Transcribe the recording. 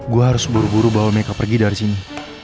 gue harus buru buru bawa mereka pergi dari sini